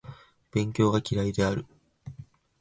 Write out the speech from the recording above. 勉強が嫌いである